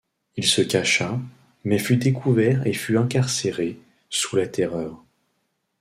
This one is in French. Il se cacha, mais fut découvert et fut incarcéré sous la Terreur.